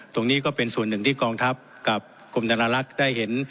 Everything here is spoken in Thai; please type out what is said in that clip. ตรงนี้ก็เป็นส่วนหนึ่งที่กองทัพกับกรมธนลักษณ์ได้เห็น